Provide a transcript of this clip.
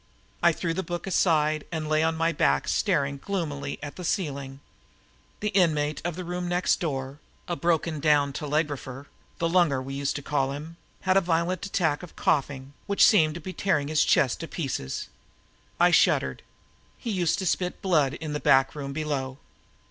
I threw the book aside and lay on my back staring gloomily at the ceiling. The inmate of the next room, a broken down telegrapher "the Lunger" we used to call him had a violent attack of coughing which seemed to be tearing his chest to pieces. I shuddered. He used to spit blood in the back room below.